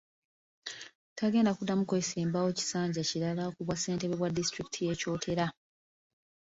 Ttagenda kuddamu kwesimbawo kisanja kirala ku bwassentebe bwa disitulikiti y'e Kyotera.